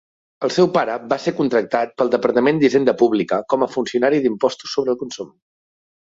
El seu pare va ser contractat pel departament d"Hisenda Pública com a funcionari d"impost sobre el consum.